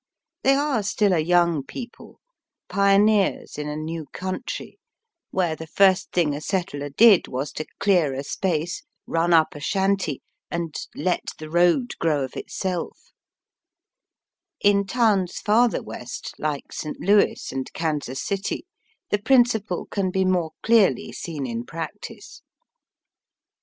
They are stiU a young people, pioneers in a new country, where the first thing a settler did was to clear a space, run up a shanty, and Digitized by VjOOQIC SOME WESTERN TOWNS. 37 let the road grow of itself. In towns farther West, Uke St. Louis and Kansas City, the principle can be more clearly seen in practice.